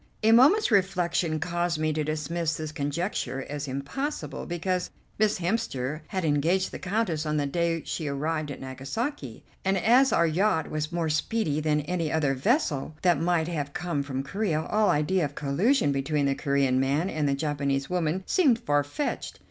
A moment's reflection caused me to dismiss this conjecture as impossible, because Miss Hemster had engaged the Countess on the day she arrived at Nagasaki, and, as our yacht was more speedy than any other vessel that might have come from Corea, all idea of collusion between the Corean man and the Japanese woman seemed far fetched.